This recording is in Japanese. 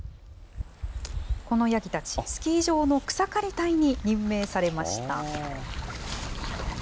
このヤギたち、スキー場の草刈り隊に任命されました。